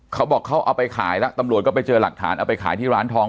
เขาบอกเขาเอาไปขายแล้วตำรวจก็ไปเจอหลักฐานเอาไปขายที่ร้านทอง